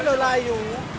ini loh layu